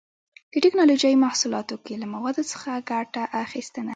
د ټېکنالوجۍ محصولاتو کې له موادو څخه ګټه اخیستنه